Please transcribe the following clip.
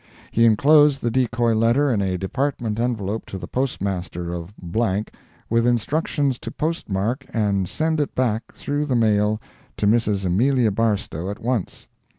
He enclosed the decoy letter in a department envelop to the Post master of ____, with instructions to postmark and send it back through the mail to Mrs. Amelia Barstow at once.